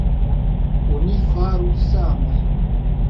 Oni faru same.